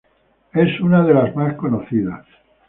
Es una de las más conocidas.